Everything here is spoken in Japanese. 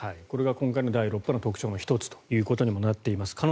これが今回の第６波の特徴の１つとなっています。